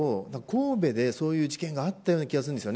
神戸で、そういう事件があったような気がするんです。